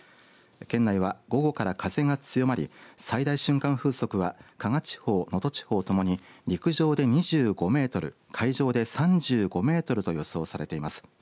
県内は、午後から風が強まり最大瞬間風速は加賀地方、能登地方ともに陸上で２５メートル海上で３５メートルと予想されています。